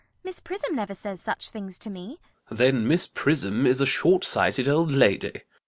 Miss Prism never says such things to me. ALGERNON. Then Miss Prism is a short sighted old lady.